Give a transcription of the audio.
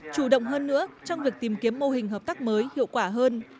chủ động hơn nữa trong việc tìm kiếm mô hình hợp tác mới hiệu quả hơn